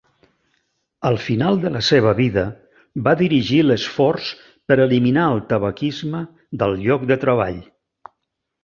Al final de la seva vida, va dirigir l'esforç per eliminar el tabaquisme del lloc de treball.